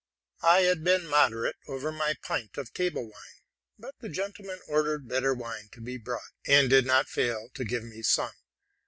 I had been moderate over my pint of table wine; but the gentlemen ordered better wine to be brought, and did not fail to give me some.